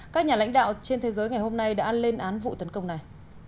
các nhà lãnh đạo trên thế giới ngày hôm nay đã lên án vụ tấn công này